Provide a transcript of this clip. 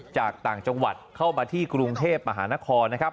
จากต่างจังหวัดเข้ามาที่กรุงเทพมหานครนะครับ